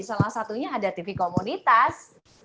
salah satunya ada tv komunitas